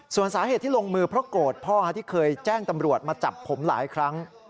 ส่วนสาเหตุที่ลงมือเพราะโกรธพ่อที่เคยแจ้งตำรวจมาจับผมหลายครั้ง